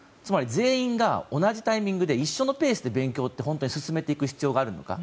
全員が同じタイミングで一緒のペースで勉強って進めていく必要があるのか。